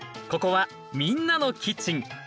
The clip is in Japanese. ここは「みんなのキッチン」。